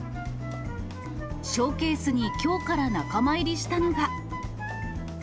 ショーケースにきょうから仲間入りしたのが。